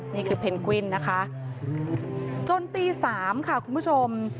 เพนกวินนะคะจนตี๓ค่ะคุณผู้ชม